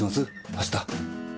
明日。